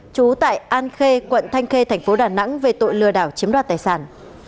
trú tại an khê quận thanh khê tp đà nẵng về tội lừa đảo chiếm đoạt tài sản